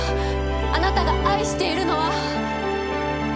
あなたが愛しているのは。